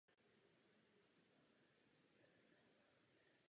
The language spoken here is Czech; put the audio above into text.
Není žádný důvod proto, abychom se ocitli v rozpočtovém provizoriu.